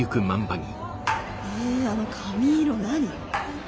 えあの髪色何？